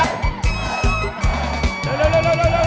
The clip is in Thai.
เร็วเร็วเร็วเร็ว